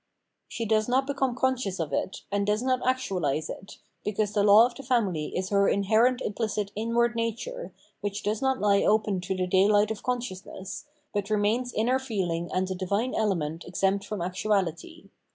She does not become conscious of it, and does not actualise it, because the law of the family is her inherent imphcit inward nature, which does not he open to the dayhght of consciousness, but remams inner feehng and the divine element exempt from actuahty.